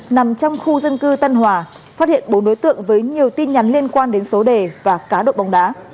nằm trong khu dân cư tân hòa phát hiện bốn đối tượng với nhiều tin nhắn liên quan đến số đề và cá độ bóng đá